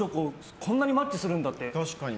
こんなにマッチするんだって。